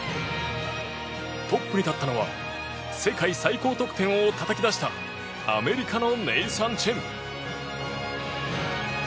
トップに立ったのは世界最高得点をたたき出したアメリカのネイサン・チェン。